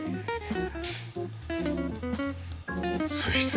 そして。